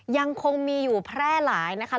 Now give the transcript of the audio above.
ยังคงมีอยู่แพร่หลายนะคะ